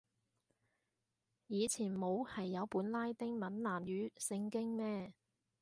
以前冇係有本拉丁閩南語聖經咩